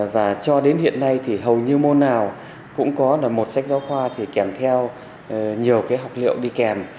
và cho đến hiện nay thì hầu như môn nào cũng có là một sách giáo khoa thì kèm theo nhiều cái học liệu đi kèm